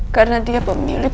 karena dia pemilik